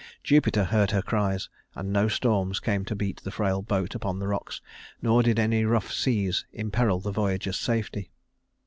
Jupiter heard her cries, and no storms came to beat the frail boat upon the rocks, nor did any rough seas imperil the voyager's safety.